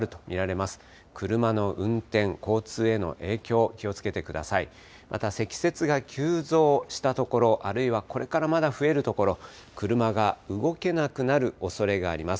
また積雪が急増した所、あるいはこれからまだ増える所、車が動けなくなるおそれがあります。